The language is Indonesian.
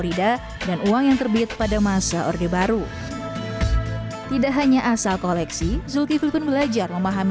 rida dan uang yang terbit pada masa orde baru tidak hanya asal koleksi zulkifli pun belajar memahami